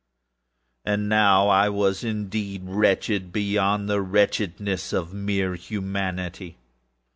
And now was I indeed wretched beyond the wretchedness of mere Humanity.